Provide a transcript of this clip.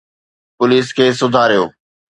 Police کي سڌاريو.